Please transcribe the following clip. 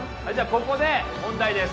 ここで問題です